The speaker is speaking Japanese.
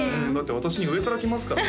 私に上から来ますからね